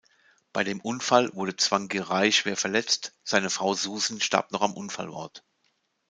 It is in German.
Bei dem Unfall wurde Tsvangirai schwer verletzt, seine Frau Susan starb noch am Unfallort.